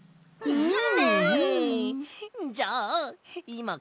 うん！